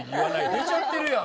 出ちゃってるやん。